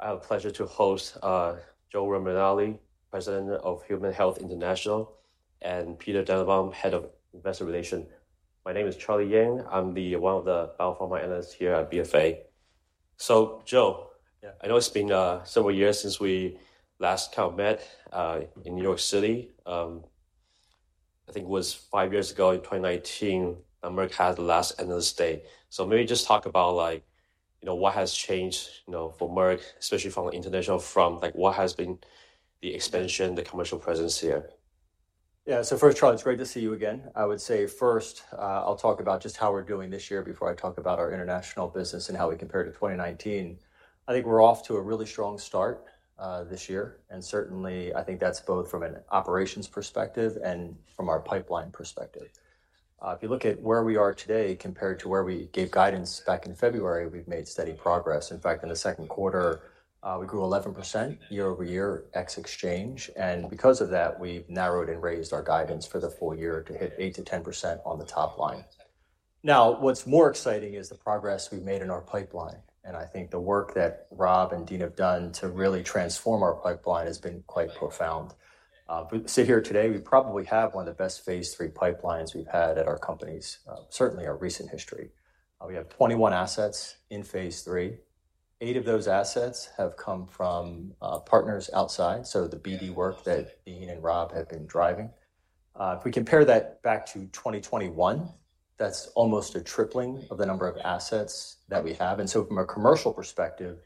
I have the pleasure to host Joe Romanelli, President of Human Health International, and Peter Dannenbaum, Head of Investor Relations. My name is Charlie Yang. I'm one of the biopharma analysts here at BofA. So, Joe- Yeah. I know it's been several years since we last kind of met in New York City. I think it was five years ago in 2019, when Merck had the last Analyst Day. So maybe just talk about, like, you know, what has changed, you know, for Merck, especially from an international firm, like what has been the expansion, the commercial presence here? Yeah. So first, Charlie, it's great to see you again. I would say first, I'll talk about just how we're doing this year before I talk about our international business and how we compare to 2019. I think we're off to a really strong start, this year, and certainly, I think that's both from an operations perspective and from our pipeline perspective. If you look at where we are today compared to where we gave guidance back in February, we've made steady progress. In fact, in the second quarter, we grew 11% year over year ex exchange, and because of that, we've narrowed and raised our guidance for the full year to hit 8%-10% on the top line. Now, what's more exciting is the progress we've made in our pipeline, and I think the work that Rob and Dean have done to really transform our pipeline has been quite profound. We sit here today, we probably have one of the best phase III pipelines we've had at our companies, certainly our recent history. We have 21 assets in phase III. Eight of those assets have come from, partners outside, so the BD work that Dean and Rob have been driving. If we compare that back to 2021, that's almost a tripling of the number of assets that we have. And so from a commercial perspective,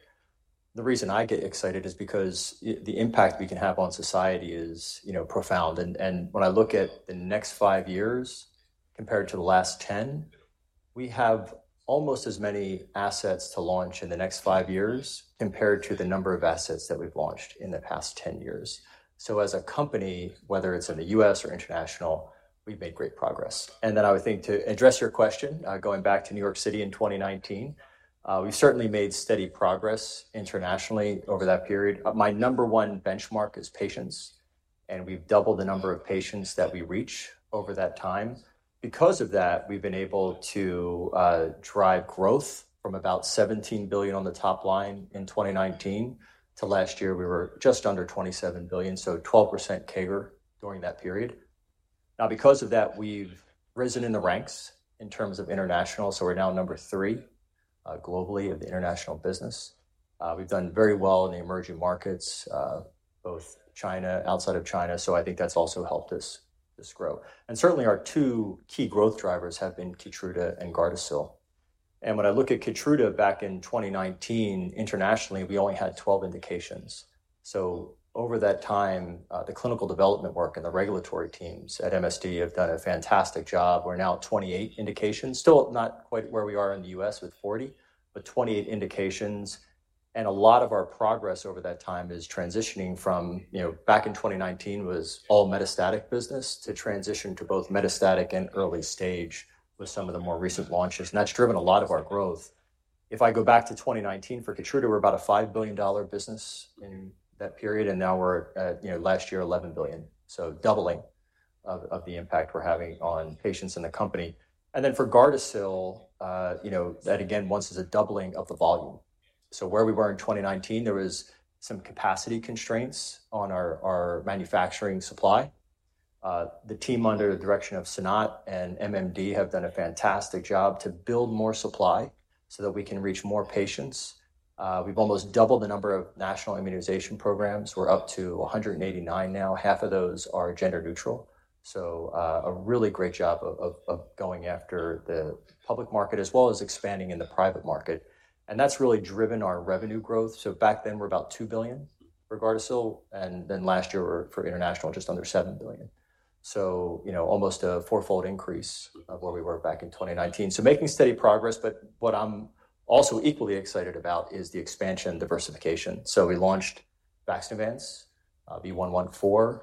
the reason I get excited is because the impact we can have on society is, you know, profound. And when I look at the next five years compared to the last ten, we have almost as many assets to launch in the next five years compared to the number of assets that we've launched in the past ten years. So as a company, whether it's in the U.S. or international, we've made great progress. And then I would think to address your question, going back to New York City in 2019, we certainly made steady progress internationally over that period. My number one benchmark is patients, and we've doubled the number of patients that we reach over that time. Because of that, we've been able to drive growth from about $17 billion on the top line in 2019 to last year, we were just under $27 billion, so 12% CAGR during that period. Now, because of that, we've risen in the ranks in terms of international, so we're now number three globally of the international business. We've done very well in the emerging markets, both China, outside of China, so I think that's also helped us grow. And certainly, our two key growth drivers have been Keytruda and Gardasil. And when I look at Keytruda back in 2019, internationally, we only had 12 indications. So over that time, the clinical development work and the regulatory teams at MSD have done a fantastic job. We're now at 28 indications. Still not quite where we are in the U.S. with 40, but 28 indications, and a lot of our progress over that time is transitioning from, you know, back in 2019 was all metastatic business, to transition to both metastatic and early stage with some of the more recent launches, and that's driven a lot of our growth. If I go back to 2019 for Keytruda, we're about a $5 billion business in that period, and now we're at, you know, last year, $11 billion. So doubling of the impact we're having on patients in the company. And then for Gardasil, you know, that again, once is a doubling of the volume. So where we were in 2019, there was some capacity constraints on our manufacturing supply. The team, under the direction of Sanat and MMD, have done a fantastic job to build more supply so that we can reach more patients. We've almost doubled the number of national immunization programs. We're up to 189 now. Half of those are gender-neutral. So, a really great job of going after the public market as well as expanding in the private market. And that's really driven our revenue growth. So back then, we're about $2 billion for Gardasil, and then last year for international, just under $7 billion. So, you know, almost a four-fold increase of where we were back in 2019. So making steady progress, but what I'm also equally excited about is the expansion and diversification. So we launched Vaxneuvance, V114,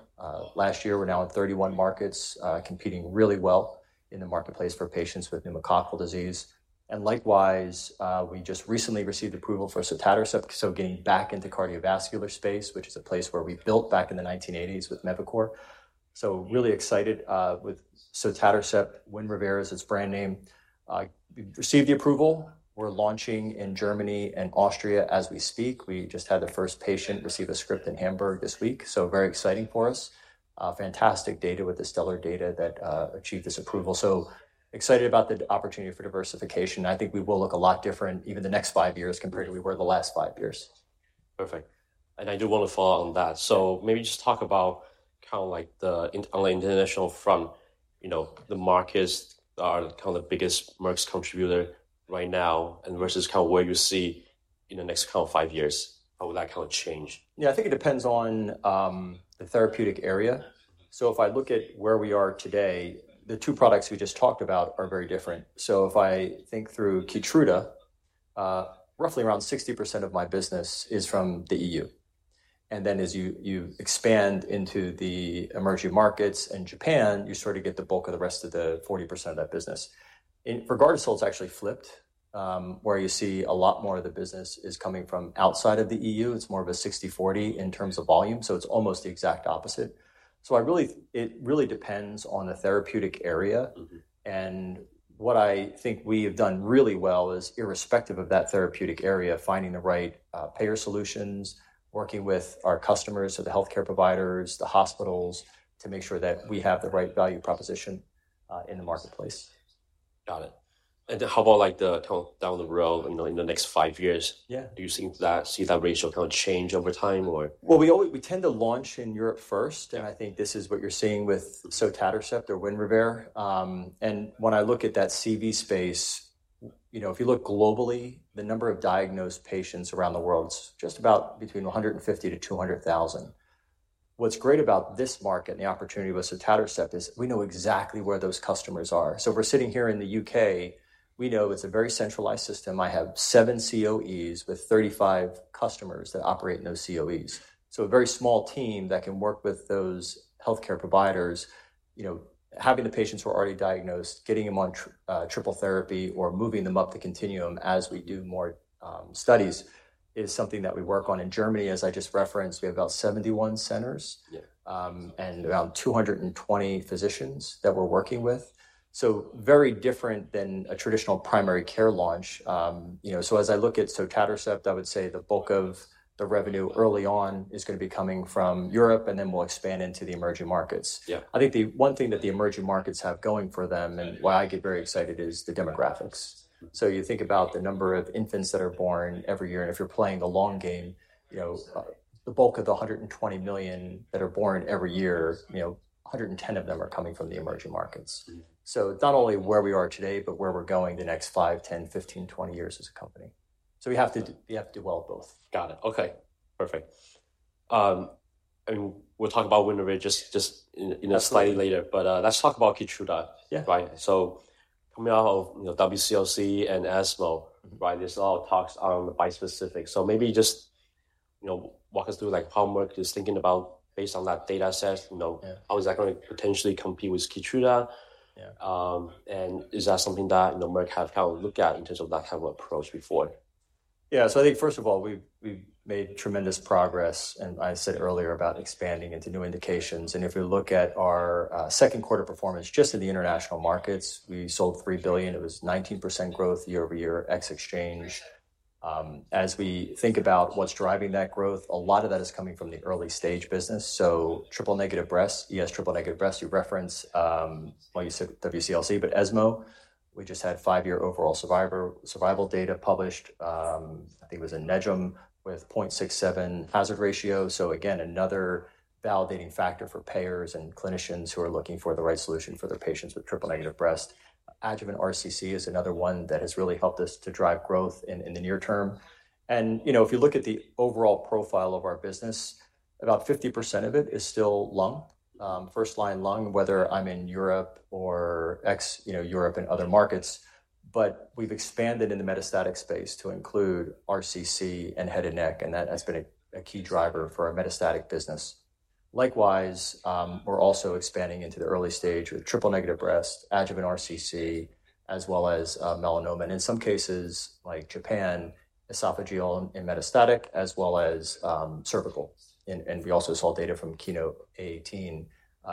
last year. We're now in 31 markets, competing really well in the marketplace for patients with pneumococcal disease, and likewise, we just recently received approval for sotatercept, so getting back into cardiovascular space, which is a place where we built back in the 1980s with Mevacor, so really excited with sotatercept, WINREVAIR is its brand name. We've received the approval. We're launching in Germany and Austria as we speak. We just had the first patient receive a script in Hamburg this week, so very exciting for us. Fantastic data with the stellar data that achieved this approval, so excited about the opportunity for diversification. I think we will look a lot different even the next five years compared to we were the last five years. Perfect. And I do want to follow on that. So maybe just talk about kind of like the international front. You know, the markets are kind of the biggest Merck's contributor right now and versus kind of where you see in the next kind of five years. How will that kind of change? Yeah, I think it depends on the therapeutic area. So if I look at where we are today, the two products we just talked about are very different. So if I think through Keytruda, roughly around 60% of my business is from the EU. And then as you expand into the emerging markets and Japan, you sort of get the bulk of the rest of the 40% of that business. For Gardasil, it's actually flipped, where you see a lot more of the business is coming from outside of the EU. It's more of a 60/40 in terms of volume, so it's almost the exact opposite. So it really depends on the therapeutic area. Mm-hmm. What I think we have done really well is irrespective of that therapeutic area, finding the right payer solutions, working with our customers, so the healthcare providers, the hospitals, to make sure that we have the right value proposition in the marketplace. Got it. And how about, like, the kind of down the road in the next five years? Yeah. Do you think that see that ratio kind of change over time, or? We always, we tend to launch in Europe first, and I think this is what you're seeing with sotatercept or WINREVAIR. And when I look at that CV space, you know, if you look globally, the number of diagnosed patients around the world is just about between a hundred and fifty to two hundred thousand. What's great about this market and the opportunity with sotatercept is we know exactly where those customers are. So if we're sitting here in the U.K., we know it's a very centralized system. I have seven COEs with thirty-five customers that operate in those COEs. So a very small team that can work with those healthcare providers, you know, having the patients who are already diagnosed, getting them on tr, triple therapy or moving them up the continuum as we do more studies, is something that we work on in Germany. As I just referenced, we have about 71 centers- Yeah. and around 220 physicians that we're working with. So very different than a traditional primary care launch. You know, so as I look at sotatercept, I would say the bulk of the revenue early on is gonna be coming from Europe, and then we'll expand into the emerging markets. Yeah. I think the one thing that the emerging markets have going for them, and why I get very excited, is the demographics. So you think about the number of infants that are born every year, and if you're playing the long game, you know, the bulk of the 120 million that are born every year, you know, 110 of them are coming from the emerging markets. Mm-hmm. So it's not only where we are today, but where we're going the next five, ten, fifteen, twenty years as a company. So we have to, we have to do well both. Got it. Okay, perfect. I mean, we'll talk about WINREVAIR just slightly later, but let's talk about KEYTRUDA. Yeah. Right. So coming out of, you know, WCLC and ESMO, right? Mm-hmm. There's a lot of talks on bispecific. So maybe just, you know, walk us through, like, how Merck is thinking about, based on that data set, you know? Yeah... how is that gonna potentially compete with Keytruda? Yeah. And, is that something that, you know, Merck have, kind of looked at in terms of that type of approach before? Yeah. So I think first of all, we've made tremendous progress, and I said earlier about expanding into new indications, and if we look at our second quarter performance, just in the international markets, we sold $3 billion. It was 19% growth year over year, ex exchange. As we think about what's driving that growth, a lot of that is coming from the early-stage business, so triple-negative breast, yes, triple-negative breast, you referenced, well, you said WCLC, but ESMO, we just had five-year overall survival data published. I think it was in NEJM with 0.67 hazard ratio. So again, another validating factor for payers and clinicians who are looking for the right solution for their patients with triple-negative breast. Adjuvant RCC is another one that has really helped us to drive growth in the near term. You know, if you look at the overall profile of our business, about 50% of it is still lung. First-line lung, whether I'm in Europe or ex-Europe and other markets, but we've expanded in the metastatic space to include RCC and head and neck, and that has been a key driver for our metastatic business. Likewise, we're also expanding into the early stage with triple-negative breast, adjuvant RCC, as well as melanoma, and in some cases like Japan, esophageal and metastatic, as well as cervical. We also saw data from KEYNOTE-018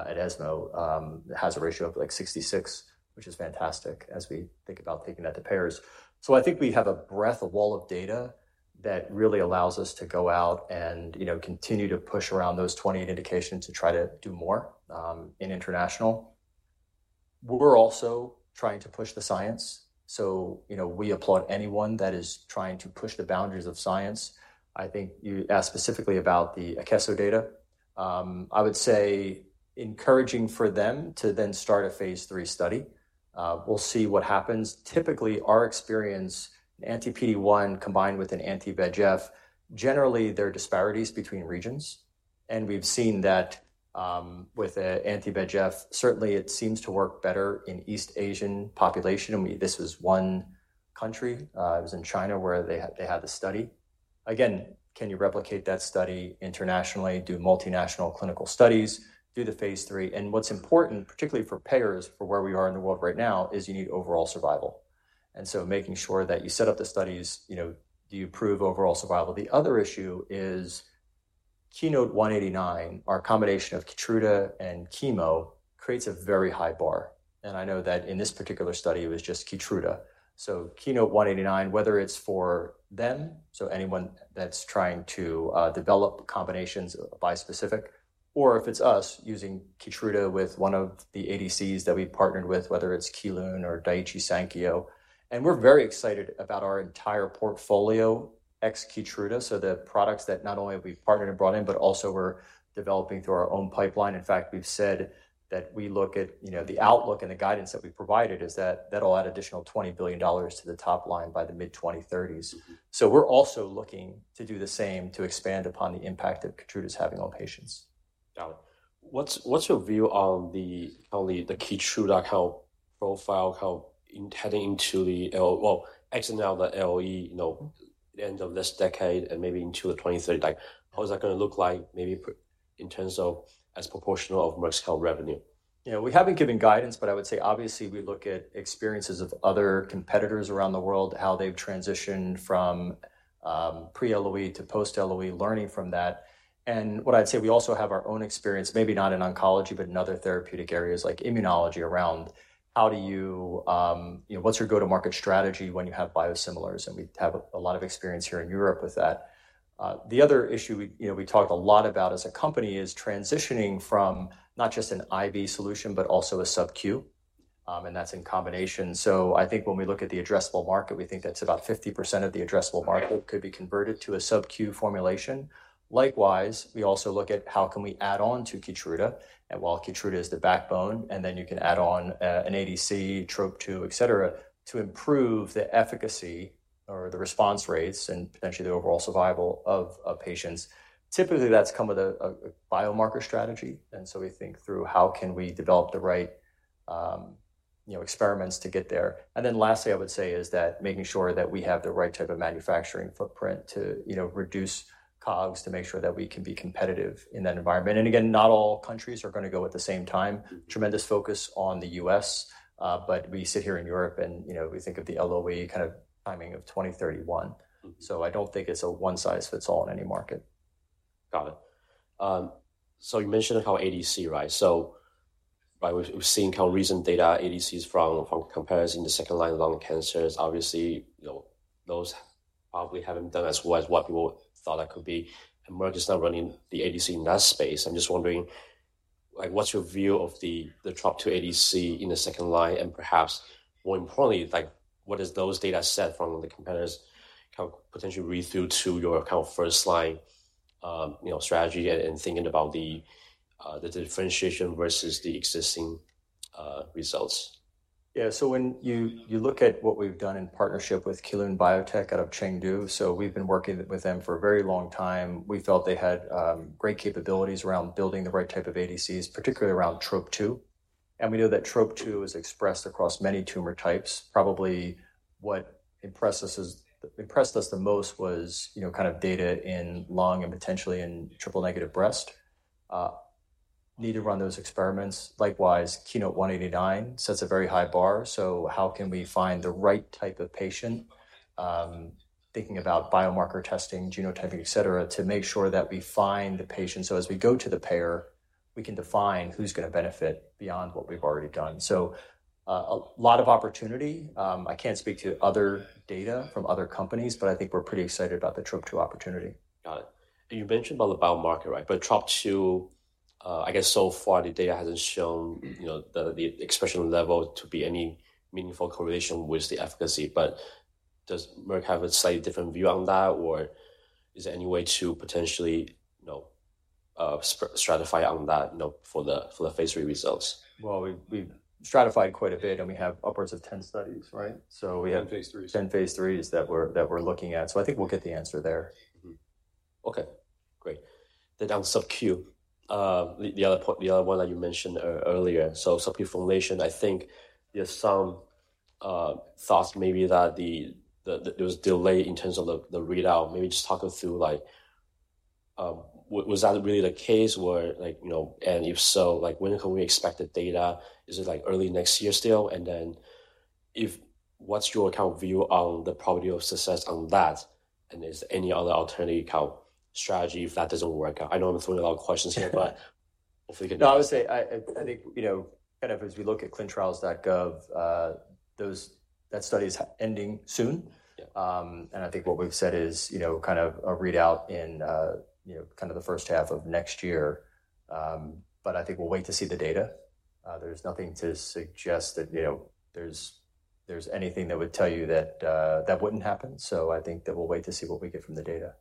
at ESMO that has a ratio of like 66, which is fantastic as we think about taking that to payers. So I think we have a breadth, a wall of data that really allows us to go out and, you know, continue to push around those twenty-eight indications to try to do more in international. We're also trying to push the science, so, you know, we applaud anyone that is trying to push the boundaries of science. I think you asked specifically about the Akeso data. I would say encouraging for them to then start a phase III study. We'll see what happens. Typically, our experience, an anti-PD-1 combined with an anti-VEGF, generally, there are disparities between regions, and we've seen that with an anti-VEGF. Certainly, it seems to work better in East Asian population, and this was one country. It was in China, where they had the study. Again, can you replicate that study internationally, do multinational clinical studies, do the phase III? And what's important, particularly for payers, for where we are in the world right now, is you need overall survival. And so making sure that you set up the studies, you know, do you prove overall survival? The other issue is KEYNOTE-189, our combination of Keytruda and chemo creates a very high bar, and I know that in this particular study, it was just Keytruda. So KEYNOTE-189, whether it's for them, so anyone that's trying to develop combinations of bispecific, or if it's us using Keytruda with one of the ADCs that we've partnered with, whether it's Kelun or Daiichi Sankyo. We're very excited about our entire portfolio, ex Keytruda, so the products that not only have we partnered and brought in, but also we're developing through our own pipeline. In fact, we've said that we look at, you know, the outlook and the guidance that we provided is that that'll add additional $20 billion to the top line by the mid-2030s. Mm-hmm. So we're also looking to do the same to expand upon the impact that Keytruda is having on patients. Got it. What's your view on the Keytruda, how profiled, how heading into the LOE, well, exiting out the LOE, you know, the end of this decade and maybe into the 2030, like, what is that gonna look like, maybe in terms of as a proportion of Merck's health revenue?... You know, we haven't given guidance, but I would say obviously, we look at experiences of other competitors around the world, how they've transitioned from pre-LOE to post-LOE, learning from that. And what I'd say, we also have our own experience, maybe not in oncology, but in other therapeutic areas like immunology, around how do you, you know, what's your go-to-market strategy when you have biosimilars? And we have a lot of experience here in Europe with that. The other issue we, you know, we talked a lot about as a company is transitioning from not just an IV solution, but also a subQ, and that's in combination. So I think when we look at the addressable market, we think that's about 50% of the addressable market could be converted to a subQ formulation. Likewise, we also look at how can we add on to Keytruda, and while Keytruda is the backbone, and then you can add on an ADC, Trop2, et cetera, to improve the efficacy or the response rates and potentially the overall survival of patients. Typically, that's come with a biomarker strategy, and so we think through how can we develop the right, you know, experiments to get there. And then lastly, I would say, is that making sure that we have the right type of manufacturing footprint to, you know, reduce COGS to make sure that we can be competitive in that environment. And again, not all countries are gonna go at the same time. Tremendous focus on the U.S., but we sit here in Europe and, you know, we think of the LOE kind of timing of twenty thirty-one. Mm-hmm. So I don't think it's a one-size-fits-all in any market. Got it. So you mentioned how ADC, right? So we've seen how recent data ADCs from comparison to second-line lung cancers, obviously, you know, those probably haven't done as well as what people thought that could be, and Merck is now running the ADC in that space. I'm just wondering, like, what's your view of the TROP2 ADC in the second line, and perhaps more importantly, like, what is those data set from the competitors, how potentially read through to your kind of first line, you know, strategy and thinking about the differentiation versus the existing results? Yeah, so when you look at what we've done in partnership with Kelun-Biotech out of Chengdu, so we've been working with them for a very long time. We felt they had great capabilities around building the right type of ADCs, particularly around Trop2. And we know that Trop2 is expressed across many tumor types. Probably, what impressed us the most was, you know, kind of data in lung and potentially in triple-negative breast. Need to run those experiments. Likewise, KEYNOTE-189 sets a very high bar, so how can we find the right type of patient, thinking about biomarker testing, genotyping, et cetera, to make sure that we find the patient. So as we go to the payer, we can define who's gonna benefit beyond what we've already done. So, a lot of opportunity. I can't speak to other data from other companies, but I think we're pretty excited about the TROP2 opportunity. Got it. And you mentioned about the biomarker, right? But TROP2, I guess so far the data hasn't shown- Mm-hmm. - You know, the expression level to be any meaningful correlation with the efficacy. But does Merck have a slightly different view on that, or is there any way to potentially, you know, stratify on that, you know, for the phase three results? We've stratified quite a bit, and we have upwards of 10 studies, right? So we have- 10 phase IIIs. 10 phase IIIs that we're looking at, so I think we'll get the answer there. Mm-hmm. Okay, great. Then on subQ, the other point, the other one that you mentioned earlier. So subQ formulation, I think there's some thoughts maybe that there was delay in terms of the readout. Maybe just talk us through like, was that really the case where like, you know... And if so, like, when can we expect the data? Is it like early next year still? And then what's your kind of view on the probability of success on that, and is there any other alternative kind of strategy if that doesn't work out? I know I'm throwing a lot of questions here, but if we could- No, I would say, I think, you know, kind of as we look at ClinicalTrials.gov, that study is ending soon. Yeah. And I think what we've said is, you know, kind of a readout in, you know, kind of the first half of next year. But I think we'll wait to see the data. There's nothing to suggest that, you know, there's anything that would tell you that that wouldn't happen. So I think that we'll wait to see what we get from the data.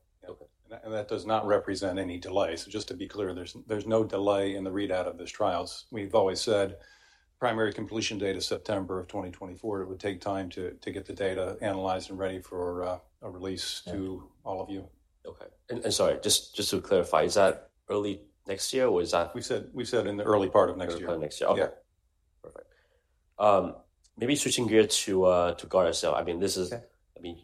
Okay. That does not represent any delay. So just to be clear, there's no delay in the readout of those trials. We've always said primary completion date is September of 2024. It would take time to get the data analyzed and ready for a release to- Yeah... all of you. Okay. And sorry, just to clarify, is that early next year, or is that- We said in the early part of next year. Early next year. Yeah. Perfect. Maybe switching gears to Gardasil. I mean, this is- Okay. I mean,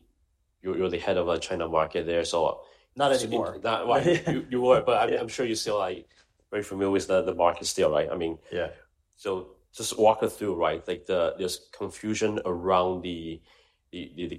you're the head of our China market there, so- Not anymore. Well, you were, but I'm sure you're still, like, very familiar with the market still, right? I mean- Yeah. So just walk us through, right, like the this confusion around the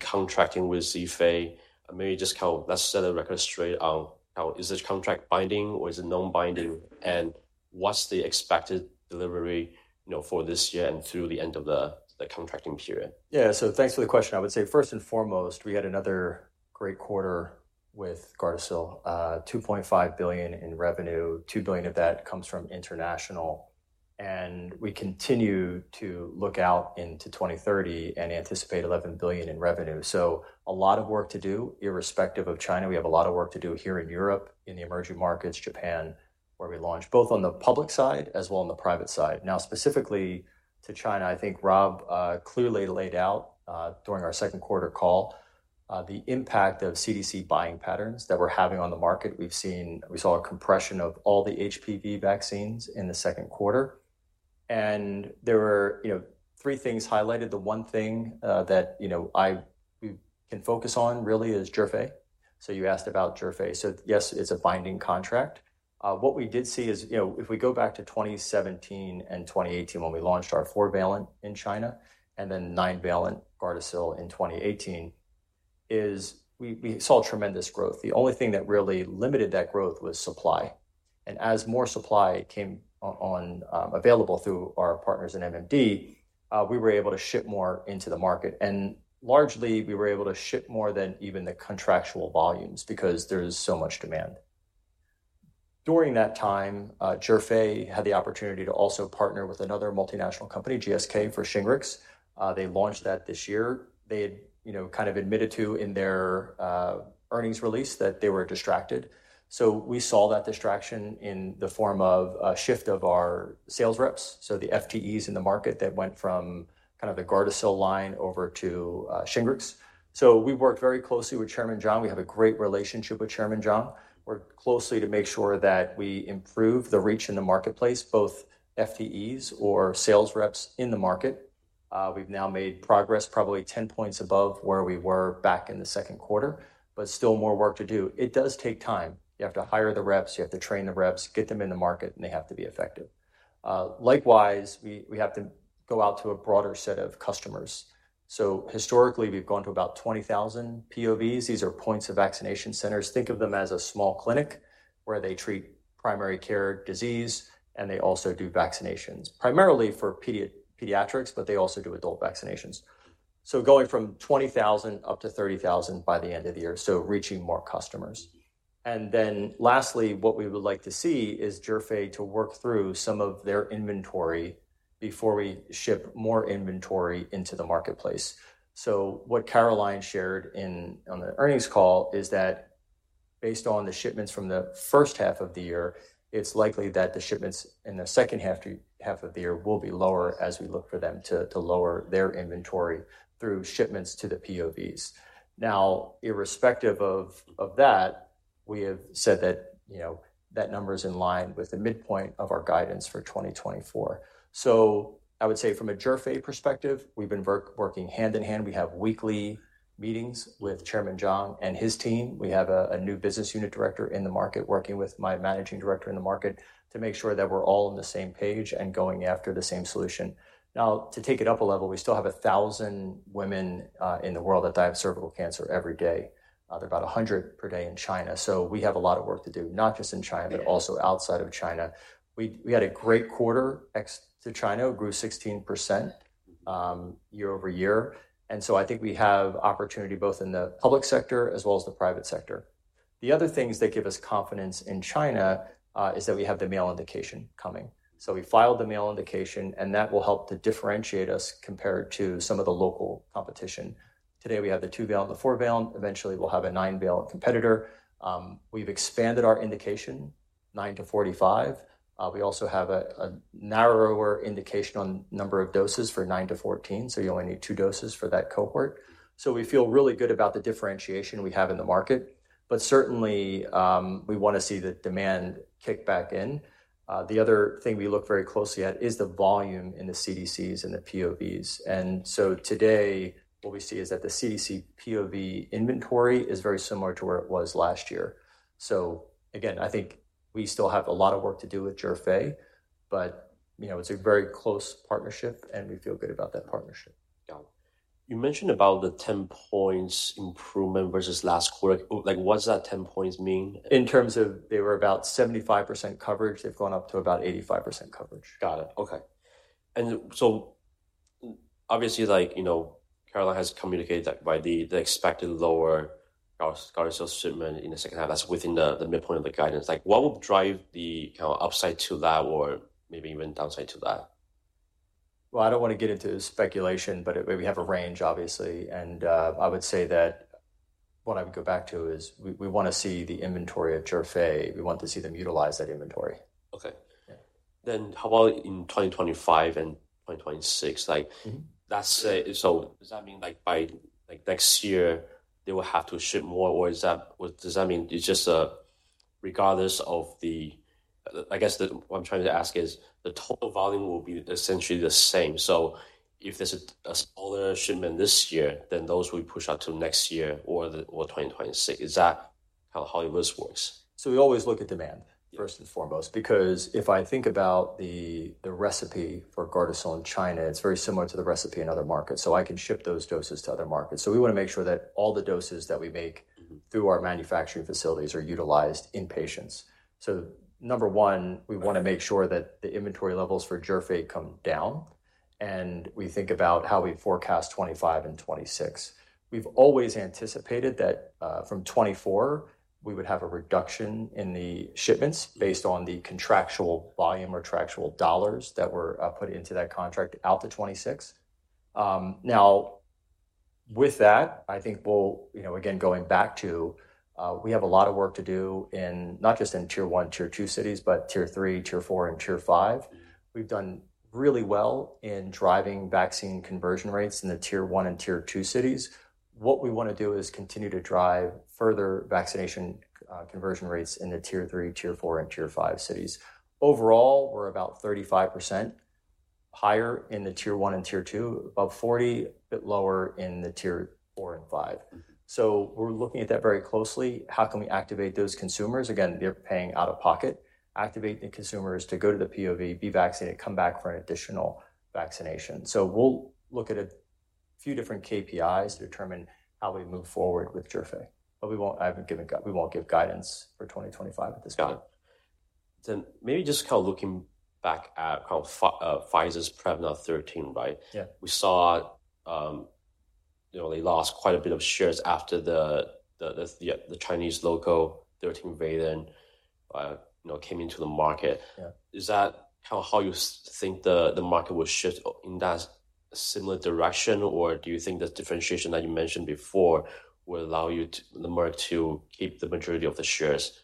contracting with Zhifei. Maybe just kind of let's set the record straight on how, is this contract binding or is it non-binding, and what's the expected delivery, you know, for this year and through the end of the contracting period? Yeah. So thanks for the question. I would say, first and foremost, we had another great quarter with Gardasil, $2.5 billion in revenue, $2 billion of that comes from international, and we continue to look out into 2030 and anticipate $11 billion in revenue. So a lot of work to do irrespective of China. We have a lot of work to do here in Europe, in the emerging markets, Japan, where we launch, both on the public side as well on the private side. Now, specifically to China, I think Rob clearly laid out during our second quarter call the impact of CDC buying patterns that we're having on the market. We saw a compression of all the HPV vaccines in the second quarter, and there were, you know, three things highlighted. The one thing that you know we can focus on really is Zhifei. So you asked about Zhifei. So yes, it's a binding contract. What we did see is, you know, if we go back to 2017 and 2018, when we launched our four valent in China, and then nine valent Gardasil in 2018, we saw tremendous growth. The only thing that really limited that growth was supply. And as more supply came on, available through our partners in MMD, we were able to ship more into the market, and largely, we were able to ship more than even the contractual volumes because there is so much demand. During that time, Zhifei had the opportunity to also partner with another multinational company, GSK, for Shingrix. They launched that this year. They had, you know, kind of admitted to in their earnings release that they were distracted. So we saw that distraction in the form of a shift of our sales reps. So the FTEs in the market that went from kind of the Gardasil line over to Shingrix. So we worked very closely with Chairman Jiang. We have a great relationship with Chairman Jiang, worked closely to make sure that we improve the reach in the marketplace, both FTEs or sales reps in the market. We've now made progress probably ten points above where we were back in the second quarter, but still more work to do. It does take time. You have to hire the reps, you have to train the reps, get them in the market, and they have to be effective. Likewise, we have to go out to a broader set of customers. So historically, we've gone to about 20,000 POVs. These are points of vaccination centers. Think of them as a small clinic where they treat primary care disease, and they also do vaccinations, primarily for pediatrics, but they also do adult vaccinations. So going from 20,000 up to 30,000 by the end of the year, so reaching more customers. And then lastly, what we would like to see is Zhifei to work through some of their inventory before we ship more inventory into the marketplace. So what Caroline shared on the earnings call is that based on the shipments from the first half of the year, it's likely that the shipments in the second half of the year will be lower as we look for them to lower their inventory through shipments to the POVs. Now, irrespective of that, we have said that, you know, that number is in line with the midpoint of our guidance for twenty twenty-four. So I would say from a Zhifei perspective, we've been working hand in hand. We have weekly meetings with Chairman Jiang and his team. We have a new business unit director in the market, working with my managing director in the market, to make sure that we're all on the same page and going after the same solution. Now, to take it up a level, we still have a thousand women in the world that die of cervical cancer every day. They're about a hundred per day in China, so we have a lot of work to do, not just in China, but also outside of China. We, we had a great quarter. Ex to China grew 16%, year over year, and so I think we have opportunity both in the public sector as well as the private sector. The other things that give us confidence in China is that we have the male indication coming. So we filed the male indication, and that will help to differentiate us compared to some of the local competition. Today, we have the two valent and the four valent. Eventually, we'll have a nine valent competitor. We've expanded our indication, 9-45. We also have a narrower indication on number of doses for 9-14, so you only need two doses for that cohort. So we feel really good about the differentiation we have in the market, but certainly, we wanna see the demand kick back in. The other thing we look very closely at is the volume in the CDCs and the POVs. And so today, what we see is that the CDC POV inventory is very similar to where it was last year. So again, I think we still have a lot of work to do with Zhifei, but you know, it's a very close partnership, and we feel good about that partnership. Got it. You mentioned about the ten points improvement versus last quarter. Like, what does that ten points mean? In terms of they were about 75% coverage, they've gone up to about 85% coverage. Got it. Okay. And so obviously, like, you know, Caroline has communicated that by the expected lower Gardasil shipment in the second half, that's within the midpoint of the guidance. Like, what would drive the kind of upside to that or maybe even downside to that? I don't want to get into speculation, but we have a range, obviously, and I would say that what I would go back to is we wanna see the inventory of Zhifei. We want to see them utilize that inventory. Okay. Yeah. Then how about in 2025 and 2026? Mm-hmm. That's, so does that mean, like, by, like, next year, they will have to ship more, or is that, what does that mean? It's just, regardless of the... I guess what I'm trying to ask is, the total volume will be essentially the same. So if there's a smaller shipment this year, then those will be pushed out to next year or 2026. Is that how this works? So we always look at demand- Yeah ... first and foremost, because if I think about the recipe for Gardasil in China, it's very similar to the recipe in other markets, so I can ship those doses to other markets. So we wanna make sure that all the doses that we make through our manufacturing facilities are utilized in patients. So number one, we wanna make sure that the inventory levels for Zhifei come down, and we think about how we forecast 2025 and 2026. We've always anticipated that, from 2024, we would have a reduction in the shipments based on the contractual volume or contractual dollars that were put into that contract out to 2026. Now, with that, I think we'll, you know, again, going back to, we have a lot of work to do in, not just in Tier 1, Tier 2 cities, but Tier 3, Tier 4, and Tier 5. We've done really well in driving vaccine conversion rates in the Tier 1 and Tier 2 cities. What we wanna do is continue to drive further vaccination conversion rates in the Tier 3, Tier 4, and Tier 5 cities. Overall, we're about 35% higher in the Tier 1 and Tier 2, about 40, a bit lower in the Tier 4 and 5. So we're looking at that very closely. How can we activate those consumers? Again, they're paying out of pocket. Activate the consumers to go to the POV, be vaccinated, come back for an additional vaccination. We'll look at a few different KPIs to determine how we move forward with Zhifei, but we won't give guidance for 2025 at this point. Got it. Then maybe just kind of looking back at kind of, Pfizer's Prevnar 13, right? Yeah. We saw, you know, they lost quite a bit of shares after the Chinese local 13-valent, you know, came into the market. Yeah. Is that how you think the market will shift in that similar direction? Or do you think the differentiation that you mentioned before will allow you, the Merck, to keep the majority of the shares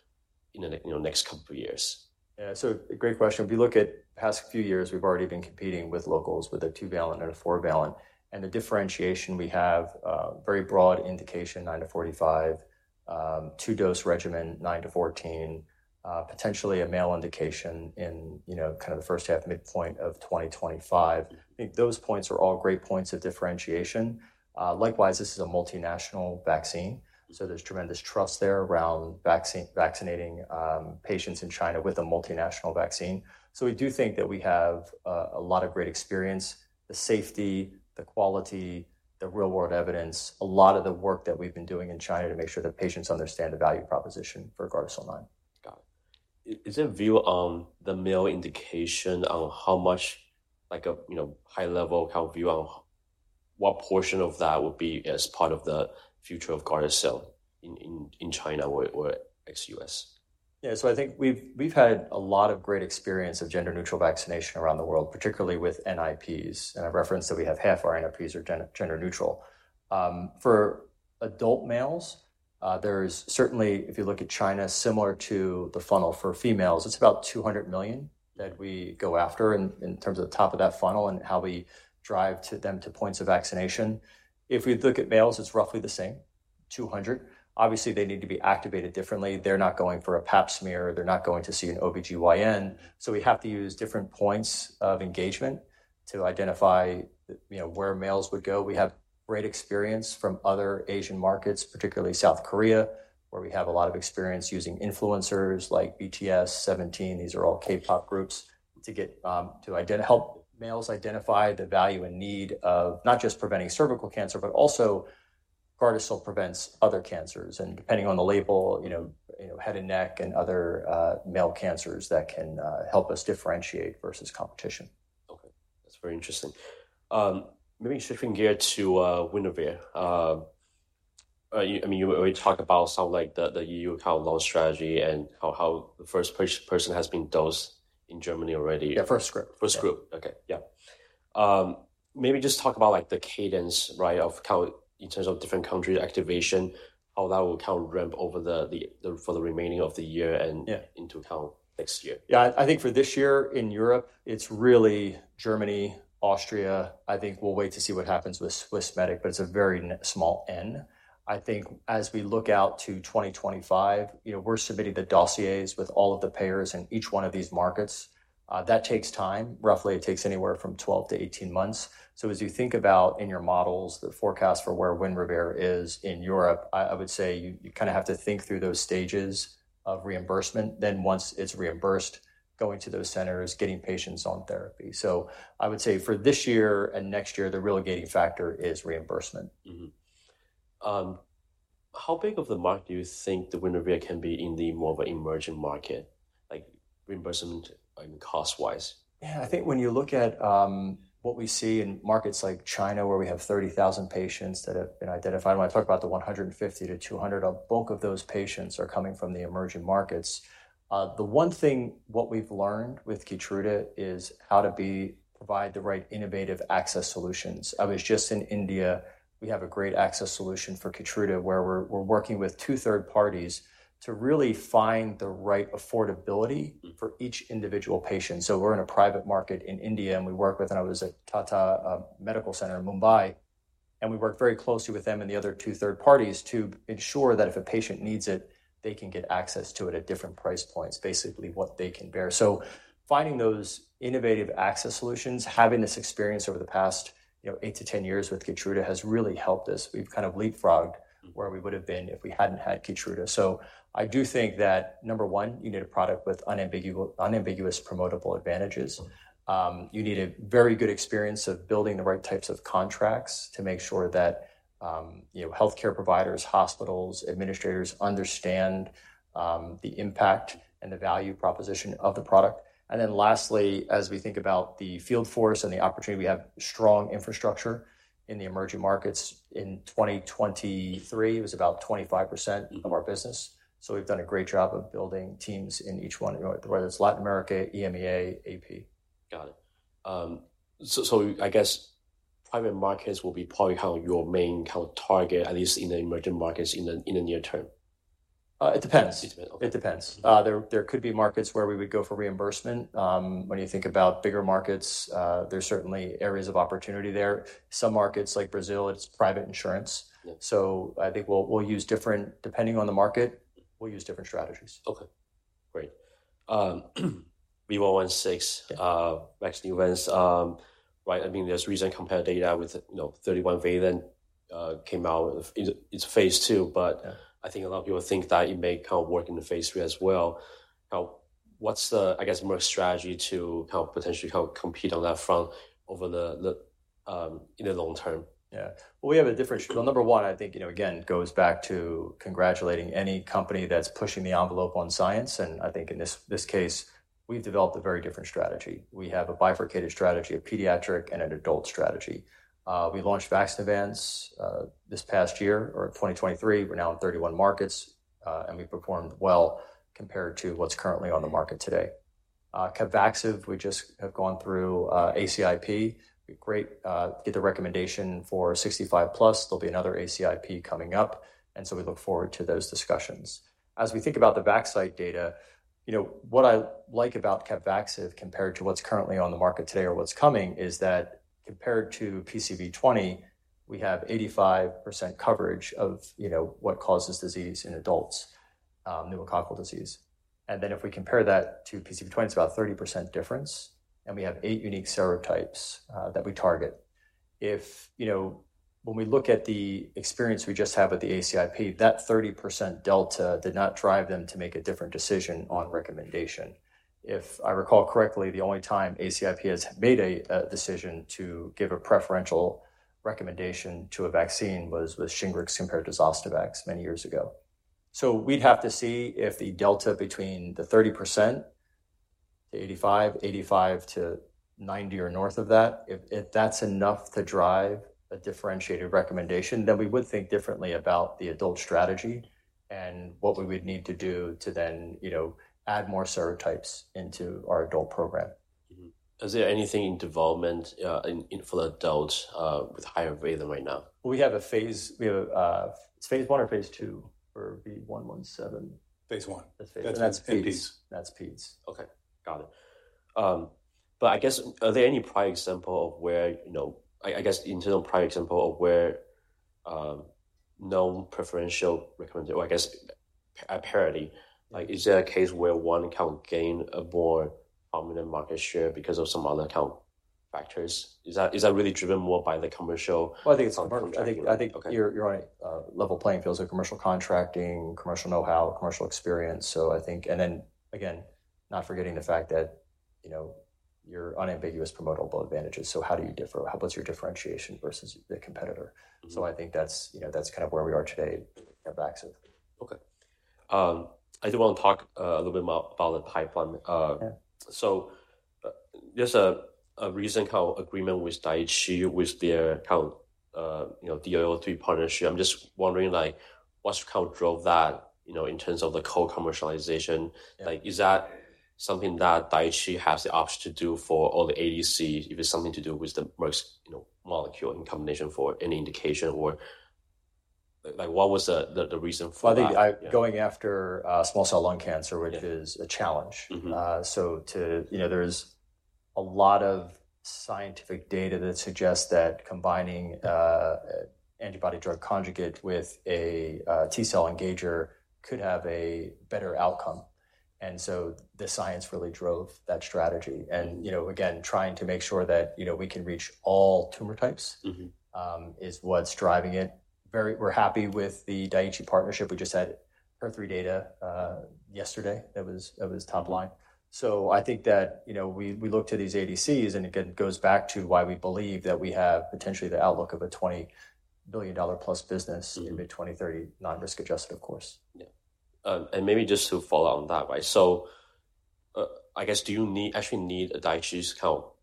in the, you know, next couple of years? Yeah, so great question. If you look at the past few years, we've already been competing with locals with a two-valent and a four-valent. And the differentiation we have, very broad indication, nine to forty-five, two-dose regimen, nine to fourteen, potentially a male indication in, you know, kind of the first half midpoint of 2025. I think those points are all great points of differentiation. Likewise, this is a multinational vaccine, so there's tremendous trust there around vaccine, vaccinating, patients in China with a multinational vaccine. So we do think that we have, a lot of great experience, the safety, the quality, the real-world evidence, a lot of the work that we've been doing in China to make sure that patients understand the value proposition for Gardasil 9. Got it. Is there a view on the male indication on how much like a, you know, high level kind of view on what portion of that would be as part of the future of Gardasil in China or ex-U.S.? Yeah, so I think we've had a lot of great experience of gender-neutral vaccination around the world, particularly with NIPs. And I've referenced that we have half our NIPs are gender-neutral. For adult males, there's certainly, if you look at China, similar to the funnel for females, it's about 200 million that we go after in terms of the top of that funnel and how we drive to them to points of vaccination. If we look at males, it's roughly the same, 200. Obviously, they need to be activated differently. They're not going for a Pap smear, they're not going to see an OBGYN. So we have to use different points of engagement to identify, you know, where males would go. We have great experience from other Asian markets, particularly South Korea, where we have a lot of experience using influencers like BTS, Seventeen, these are all K-pop groups, to help males identify the value and need of not just preventing cervical cancer, but also Gardasil prevents other cancers, and depending on the label, you know, head and neck and other male cancers that can help us differentiate versus competition. Okay. That's very interesting. Maybe shifting gear to WINREVAIR. I mean, you already talked about some, like the EU kind of launch strategy and how the first person has been dosed in Germany already. Yeah, first group. First group. Okay. Yeah. Maybe just talk about, like, the cadence, right, of how, in terms of different country activation, how that will kind of ramp over the, for the remaining of the year and- Yeah into kind of next year. Yeah, I think for this year in Europe, it's really Germany, Austria. I think we'll wait to see what happens with Swissmedic, but it's a very small N. I think as we look out to 2025, you know, we're submitting the dossiers with all of the payers in each one of these markets. That takes time. Roughly, it takes anywhere from 12-18 months. So as you think about in your models, the forecast for where WINREVAIR is in Europe, I would say you kind of have to think through those stages of reimbursement. Then once it's reimbursed, going to those centers, getting patients on therapy. So I would say for this year and next year, the limiting factor is reimbursement. Mm-hmm. How big of the market do you think the WINREVAIR can be in the more of an emerging market, like reimbursement and cost-wise? Yeah, I think when you look at what we see in markets like China, where we have 30,000 patients that have been identified, when I talk about the 100-200, a bulk of those patients are coming from the emerging markets. The one thing, what we've learned with Keytruda is how to provide the right innovative access solutions. I was just in India, we have a great access solution for Keytruda, where we're working with two third parties to really find the right affordability- Mm-hmm for each individual patient. So we're in a private market in India, and we work with, and I was at Tata Memorial Centre in Mumbai, and we work very closely with them and the other two third parties to ensure that if a patient needs it, they can get access to it at different price points, basically what they can bear. So finding those innovative access solutions, having this experience over the past, you know, eight to 10 years with Keytruda has really helped us. We've kind of leapfrogged- Mm-hmm Where we would have been if we hadn't had Keytruda. So I do think that, number one, you need a product with unambiguous, promotable advantages. You need a very good experience of building the right types of contracts to make sure that, you know, healthcare providers, hospitals, administrators, understand the impact and the value proposition of the product. And then lastly, as we think about the field force and the opportunity, we have strong infrastructure in the emerging markets. In 2023, it was about 25%- Mm-hmm of our business, so we've done a great job of building teams in each one, whether it's Latin America, EMEA, AP. Got it. So, I guess private markets will be probably kind of your main kind of target, at least in the emerging markets, in the near term. It depends. It depends. It depends. There, there could be markets where we would go for reimbursement. When you think about bigger markets, there's certainly areas of opportunity there. Some markets, like Brazil, it's private insurance. Yeah. So I think we'll use different, depending on the market, we'll use different strategies. Okay. Great. V116, Vaxneuvance, right? I mean, there's recent comparative data with, you know, 31-valent, came out. It's phase II, but- Yeah. I think a lot of people think that it may kind of work in the phase three as well. Now, what's the, I guess, Merck strategy to help potentially help compete on that front over the in the long term? Yeah. We have a different strategy. Number one, I think, you know, again, goes back to congratulating any company that's pushing the envelope on science, and I think in this case, we've developed a very different strategy. We have a bifurcated strategy, a pediatric and an adult strategy. We launched Vaxneuvance this past year or in 2023. We're now in 31 markets, and we've performed well compared to what's currently on the market today. CAPVAXIVE, we just have gone through ACIP. We got the recommendation for 65 plus. There'll be another ACIP coming up, and so we look forward to those discussions. As we think about the CAPVAXIVE data, you know, what I like about CAPVAXIVE compared to what's currently on the market today or what's coming, is that compared to PCV20, we have 85% coverage of, you know, what causes disease in adults, pneumococcal disease. Then if we compare that to PCV20, it's about 30% difference, and we have eight unique serotypes that we target. If, you know, when we look at the experience we just had with the ACIP, that 30% delta did not drive them to make a different decision on recommendation. If I recall correctly, the only time ACIP has made a decision to give a preferential recommendation to a vaccine was with Shingrix compared to Zostavax many years ago. So we'd have to see if the delta between the 30% to 85, 85-90 or north of that, if that's enough to drive a differentiated recommendation, then we would think differently about the adult strategy and what we would need to do to then, you know, add more serotypes into our adult program. Mm-hmm. Is there anything in development for adults with higher valent right now? We have a, it's phase one or phase two for V117. Phase one. That's phase- That's Peds. That's Peds. Okay, got it. But I guess, are there any prior example of where, you know, I guess internal prior example of where no preferential recommendation or I guess a parity, like is there a case where one account gained a more prominent market share because of some other account factors? Is that really driven more by the commercial- I think it's commercial. Okay. I think you're on a level playing field, so commercial contracting, commercial know-how, commercial experience. So I think. And then again, not forgetting the fact that, you know, your unambiguous promotable advantages, so how do you differ? How does your differentiation versus the competitor? Mm-hmm. So I think that's, you know, that's kind of where we are today at Vaxcyte. Okay. I do want to talk a little bit more about the pipeline. Yeah. Just a recent collaboration agreement with Daiichi, with their ADC, you know, DXd partnership. I'm just wondering, like, what drove that, you know, in terms of the co-commercialization? Yeah. Like, is that something that Daiichi has the option to do for all the ADCs, if it's something to do with the Merck's, you know, molecule in combination for any indication, or like what was the reason for that? I think... going after small cell lung cancer- Yeah which is a challenge. Mm-hmm. So to, you know, there's a lot of scientific data that suggests that combining antibody-drug conjugate with a T-cell engager could have a better outcome. And so the science really drove that strategy. And, you know, again, trying to make sure that, you know, we can reach all tumor types- Mm-hmm is what's driving it. We're happy with the Daiichi partnership. We just had HER3 data yesterday. That was top line. So I think that, you know, we look to these ADCs, and again, it goes back to why we believe that we have potentially the outlook of a $20 billion plus business. Mm-hmm in mid-2030, non-risk adjusted, of course. Yeah. And maybe just to follow on that, right? So, I guess, do you actually need Daiichi's co-development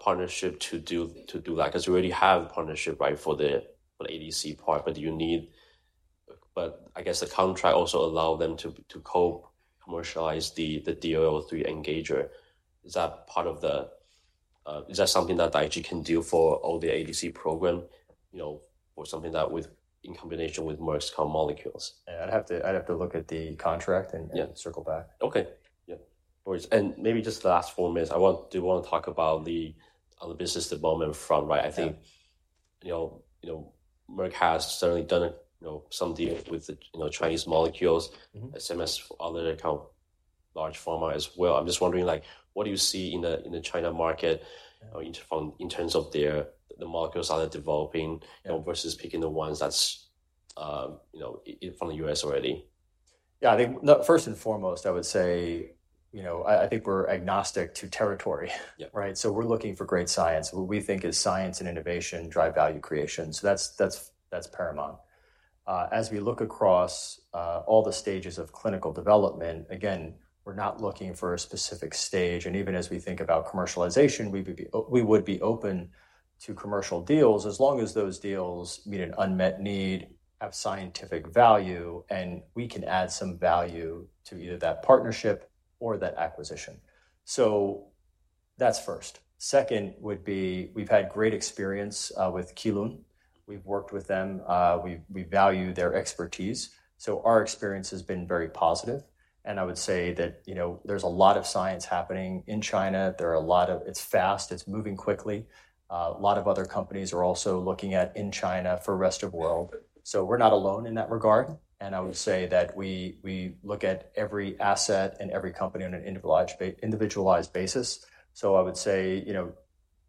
partnership to do that? 'Cause you already have partnership, right, for the ADC part. But I guess the contract also allow them to co-commercialize the DLL3 engager. Is that part of the. Is that something that Daiichi can do for all the ADC program, you know, or something that with, in combination with Merck's candidate molecules? I'd have to look at the contract and- Yeah -circle back. Okay. Yeah, and maybe just the last four minutes, I want to talk about, on the business development front, right? Yeah. I think, you know, Merck has certainly done a, you know, some deal with the, you know, Chinese molecules- Mm-hmm -same as other kind of large pharma as well. I'm just wondering, like, what do you see in the China market or in terms of their, the molecules are developing, you know, versus picking the ones that's, you know, from the U.S. already? Yeah, I think the first and foremost, I would say, you know, I think we're agnostic to territory. Yeah. Right? We're looking for great science. What we think is science and innovation drive value creation. That's paramount. As we look across all the stages of clinical development, again, we're not looking for a specific stage, and even as we think about commercialization, we would be open to commercial deals, as long as those deals meet an unmet need, have scientific value, and we can add some value to either that partnership or that acquisition. That's first. Second, we've had great experience with Kelun. We've worked with them. We value their expertise, so our experience has been very positive. I would say that, you know, there's a lot of science happening in China. There are a lot of... It's fast, it's moving quickly. A lot of other companies are also looking at, in China, for rest of world. So we're not alone in that regard, and I would say that we look at every asset and every company on an individualized basis, so I would say, you know.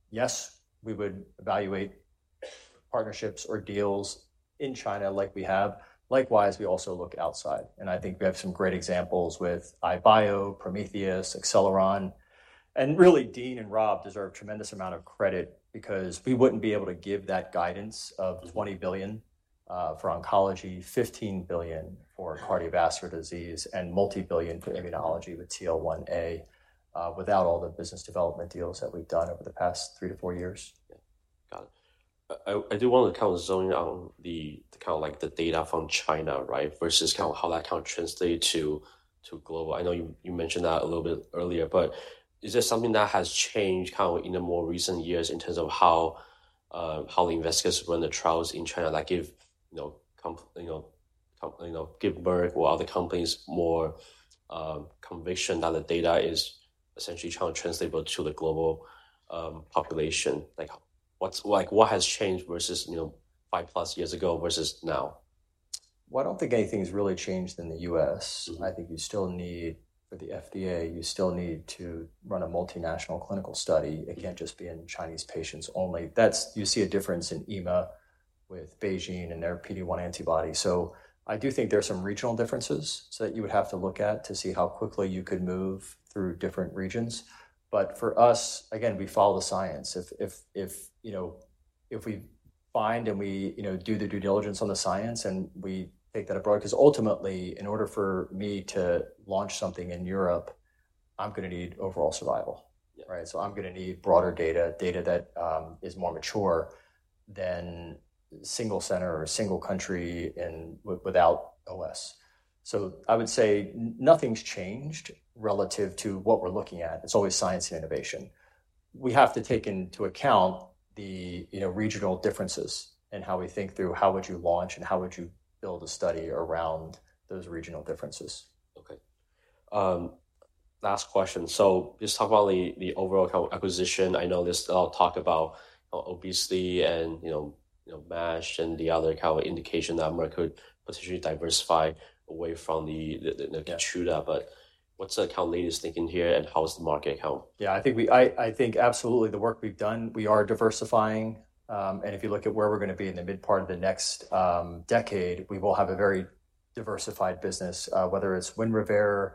Yes, we would evaluate partnerships or deals in China like we have. Likewise, we also look outside, and I think we have some great examples with EyeBio, Prometheus, Acceleron, and really, Dean and Rob deserve a tremendous amount of credit because we wouldn't be able to give that guidance of $20 billion for oncology, $15 billion for cardiovascular disease, and multi-billion for immunology with TL1A, without all the business development deals that we've done over the past three to four years. Yeah, got it. I do want to kind of zone in on the kind of like the data from China, right? Versus kind of how that kind of translate to global. I know you mentioned that a little bit earlier, but is there something that has changed kind of in the more recent years in terms of how the industry runs the trials in China? Like, you know, companies, you know, given more, or other companies more conviction that the data is essentially generally translatable to the global population. Like, what's like what has changed versus, you know, five plus years ago versus now? I don't think anything has really changed in the U.S. Mm-hmm. I think you still need, for the FDA, you still need to run a multinational clinical study. It can't just be in Chinese patients only. That's. You see a difference in EMA with BeiGene and their PD-1 antibody. So I do think there are some regional differences that you would have to look at to see how quickly you could move through different regions. But for us, again, we follow the science. If, you know, if we find and we, you know, do the due diligence on the science, and we take that abroad, because ultimately, in order for me to launch something in Europe, I'm gonna need overall survival. Yeah. Right? So I'm gonna need broader data, data that is more mature than single center or single country and with, without OS. So I would say nothing's changed relative to what we're looking at. It's always science and innovation. We have to take into account the, you know, regional differences and how we think through how would you launch and how would you build a study around those regional differences. Okay, last question. So just talk about the overall acquisition. I know this, I'll talk about obesity and, you know, MASH and the other kind of indication that could potentially diversify away from the Keytruda. Yeah. But, what's the kind of latest thinking here, and how is the market helping? Yeah, I think absolutely the work we've done, we are diversifying, and if you look at where we're gonna be in the mid part of the next decade, we will have a very diversified business, whether it's WINREVAIR,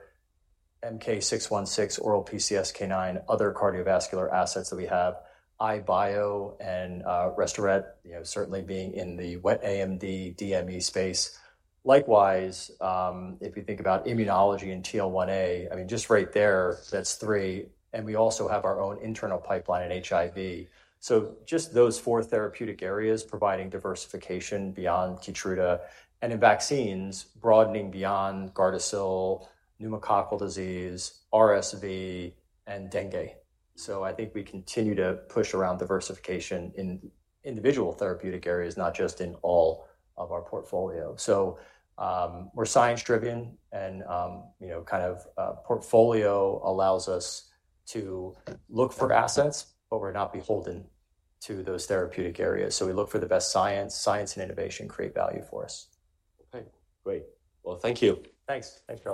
MK-0616, oral PCSK9, other cardiovascular assets that we have, EyeBio and Restoret, you know, certainly being in the wet AMD DME space. Likewise, if you think about immunology and TL1A, I mean, just right there, that's three, and we also have our own internal pipeline in HIV, so just those four therapeutic areas providing diversification beyond Keytruda and in vaccines, broadening beyond Gardasil, pneumococcal disease, RSV, and dengue, so I think we continue to push around diversification in individual therapeutic areas, not just in all of our portfolio. So, we're science-driven and, you know, kind of, portfolio allows us to look for assets, but we're not beholden to those therapeutic areas. So we look for the best science. Science and innovation create value for us. Okay, great. Well, thank you. Thanks. Thanks, Charlie.